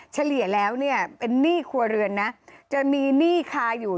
เฉรี่ยแล้วเป็นนี่ครัวเรือนนะจะมีนี่คาอยู่